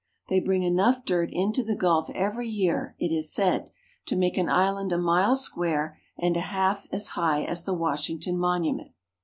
They bring enough dirt into the gulf every year, it is said, to make an island a mile square and half as high as the Washington Monument.